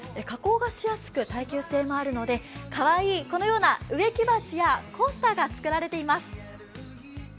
加工がしやすく耐久性もあるのでかわいい植木鉢やコースターも作られています。